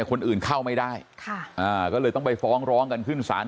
คนอื่นเข้าไม่ได้ค่ะอ่าก็เลยต้องไปฟ้องร้องกันขึ้นศาล